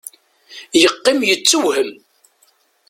Yeqqim yettewhem.